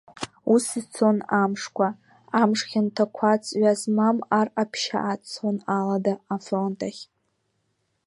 Ус ицон амшқәа, амш хьанҭақәа ҵҩа змам Ар ҟаԥшьаа цон алада, афронт ахь.